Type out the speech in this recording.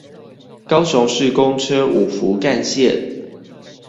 高雄市公車五福幹線